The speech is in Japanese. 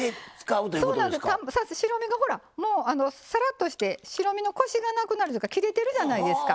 白身がほらもうさらっとして白身のコシがなくなるというか切れてるじゃないですか。